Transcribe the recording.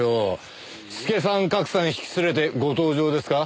助さん格さん引き連れてご登場ですか？